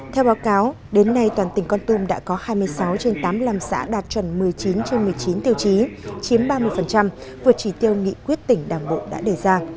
theo báo cáo đến nay toàn tỉnh con tum đã có hai mươi sáu trên tám mươi năm xã đạt chuẩn một mươi chín trên một mươi chín tiêu chí chiếm ba mươi vượt chỉ tiêu nghị quyết tỉnh đảng bộ đã đề ra